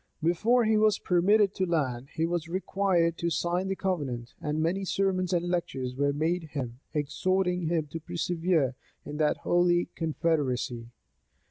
Before he was permitted to land, he was required to sign the covenant; and many sermons and lectures were made him, exhorting him to persevere in that holy confederacy.